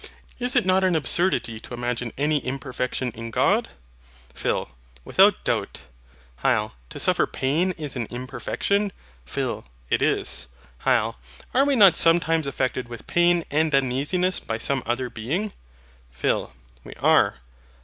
Is it not an absurdity to imagine any imperfection in God? PHIL. Without a doubt. HYL. To suffer pain is an imperfection? PHIL. It is. HYL. Are we not sometimes affected with pain and uneasiness by some other Being? PHIL. We are.